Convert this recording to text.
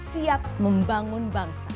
siap membangun bangsa